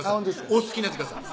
お好きにやってください